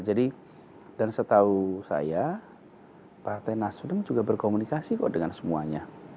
jadi dan setahu saya partai nasdem juga berkomunikasi kok dengan semuanya